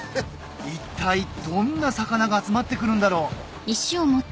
一体どんな魚が集まって来るんだろう？